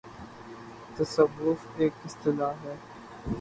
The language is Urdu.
' تصوف‘ ایک اصطلاح ہے۔